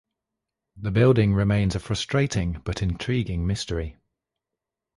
The building remains a frustrating, but intriguing, mystery.